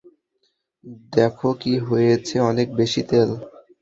দেখো -কি হয়েছে, - অনেক বেশি তেল।